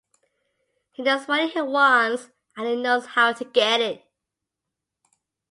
He knows what he wants and he knows how to get it.